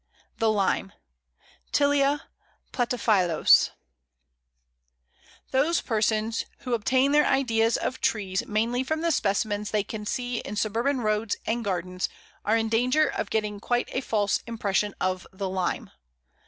] The Lime (Tilia platyphyllos). Those persons who obtain their ideas of trees mainly from the specimens they can see in suburban roads and gardens are in danger of getting quite a false impression of the Lime.